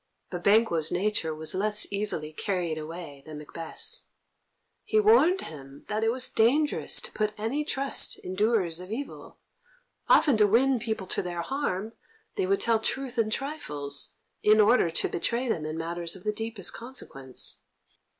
But Banquo's nature was less easily carried away than Macbeth's. He warned him that it was dangerous to put any trust in doers of evil; often to win people to their harm they would tell truth in trifles, in order to betray them in matters of the deepest consequence.